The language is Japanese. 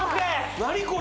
何これ？